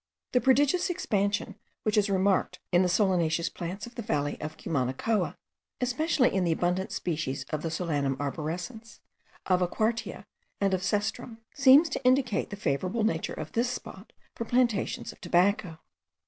The prodigious expansion which is remarked in the solaneous plants of the valley of Cumanacoa, especially in the abundant species of the Solanum arborescens, of aquartia, and of cestrum, seems to indicate the favourable nature of this spot for plantations of tobacco.